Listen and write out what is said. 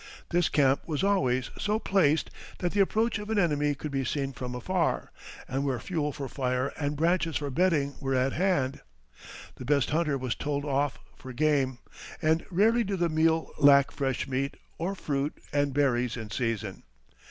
This camp was always so placed that the approach of an enemy could be seen from afar, and where fuel for fire and branches for bedding were at hand. The best hunter was told off for game, and rarely did the meal lack fresh meat or fruit and berries in season.